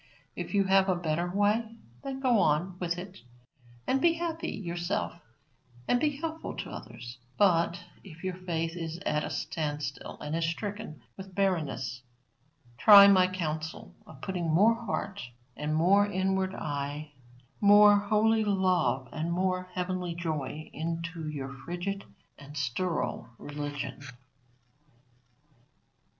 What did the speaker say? If you have a better way, then go on with it and be happy yourself and helpful to others; but if your faith is at a standstill and is stricken with barrenness, try my counsel of putting more heart and more inward eye, more holy love and more heavenly joy, into your frigid and sterile religion.